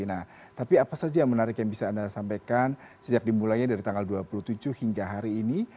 nah tapi apa saja yang menarik yang bisa anda sampaikan sejak dimulainya dari tanggal dua puluh tujuh hingga hari ini